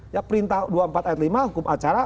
ya perintah dua puluh empat ayat lima hukum acara